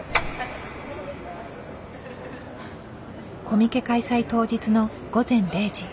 コミケ開催当日の午前０時。